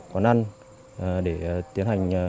quán ăn để tiến hành